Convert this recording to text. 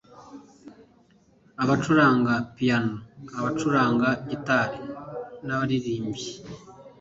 abacuranga, piyano , abacuranga gitari n'abaririmbyi